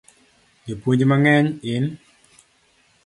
Jopuonj mang'eny hin